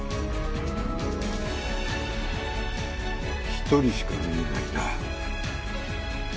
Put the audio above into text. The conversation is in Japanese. １人しか見えないな。